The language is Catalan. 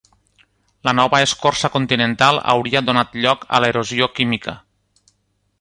La nova escorça continental hauria donat lloc a l'erosió química.